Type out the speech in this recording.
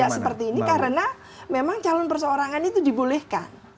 tidak seperti ini karena memang calon perseorangan itu dibolehkan